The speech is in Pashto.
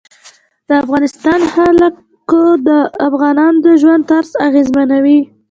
د افغانستان جلکو د افغانانو د ژوند طرز اغېزمنوي.